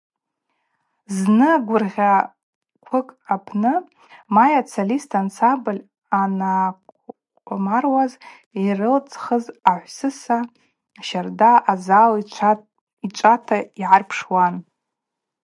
Зны гвыргъьахъвыкӏ апны Майя дсолистта ансамбль ангӏахъвмаруаз йрылцӏхыз хӏвсыса щарда азал йчӏвата йгӏарпшуан.